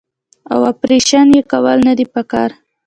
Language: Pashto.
او اپرېشن ئې کول نۀ دي پکار -